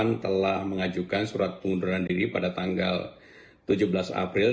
pan telah mengajukan surat pengunduran diri pada tanggal tujuh belas april